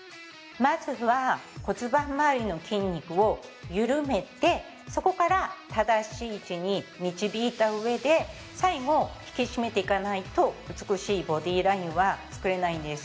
まずは骨盤まわりの筋肉を緩めてそこから正しい位置に導いたうえで最後引き締めていかないと美しいボディラインは作れないんです